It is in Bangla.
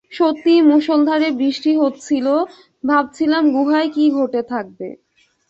সত্যিই মুশলধারে বৃষ্টি হচ্ছিল, ভাবছিলাম গুহায় কী ঘটে থাকবে।